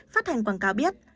phát hành quảng cáo biết